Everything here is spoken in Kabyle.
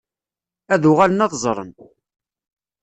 Ad uɣalen ad ẓren.